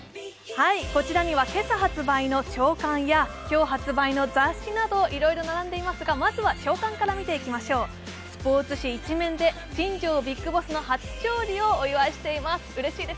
こちらには、今朝発売の朝刊や今日発売の雑誌などいろいろ並んでいますが、まずは、朝刊から見ていきましょうスポーツ紙、１面で新庄ＢＩＧＢＯＳＳの初勝利をお祝いしています。